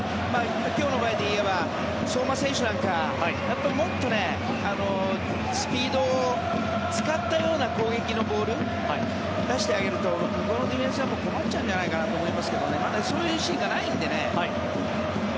今日の場合でいえば相馬選手なんかもっとスピードを使ったような攻撃のボールを出してあげると向こうのディフェンスは困っちゃうのではと思いますがねまだそういうシーンがないのでね。